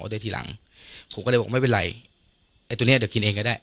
ได้ทีหลังผมก็เลยบอกไม่เป็นไรไอ้ตัวเนี้ยเดี๋ยวกินเองก็ได้